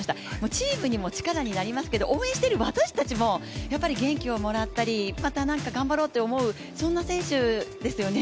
チームにも力になりますけど、応援している私たちにもやっぱり元気をもらったりまた、頑張ろうって思えるそんな選手ですよね。